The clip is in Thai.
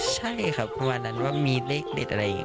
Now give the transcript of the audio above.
ใช่ครับประมาณนั้นว่ามีเลขเด็ดอะไรอย่างนี้